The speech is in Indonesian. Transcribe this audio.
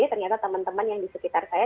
ternyata teman teman yang di sekitar saya